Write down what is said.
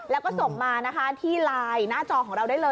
แล้วก็ส่งมานะคะที่ไลน์หน้าจอของเราได้เลย